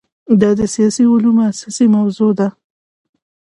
دا د سیاسي علومو اساسي موضوع ده.